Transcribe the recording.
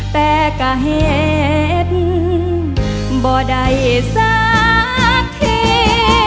แต่ก็เห็นบ่ได้สักที